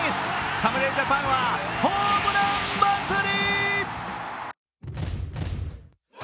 侍ジャパンはホームラン祭り！